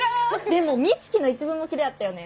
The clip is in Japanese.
でも美月の一文もキレあったよね。